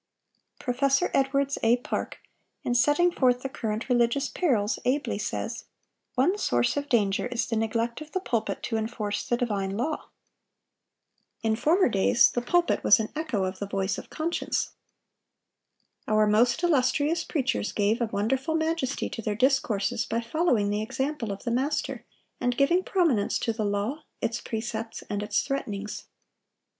Prof. Edwards A. Park, in setting forth the current religious perils, ably says: "One source of danger is the neglect of the pulpit to enforce the divine law. In former days the pulpit was an echo of the voice of conscience.... Our most illustrious preachers gave a wonderful majesty to their discourses by following the example of the Master, and giving prominence to the law, its precepts, and its threatenings.